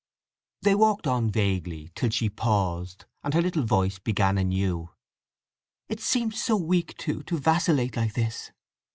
They walked on vaguely, till she paused, and her little voice began anew: "It seems so weak, too, to vacillate like this!